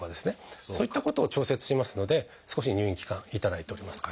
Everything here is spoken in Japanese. そういったことを調節しますので少し入院期間頂いております。